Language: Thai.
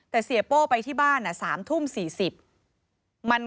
แต่เสียโป้ไปที่บ้าน๓ทุ่ม๔๐